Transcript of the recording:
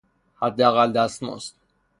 حداقل دستمزد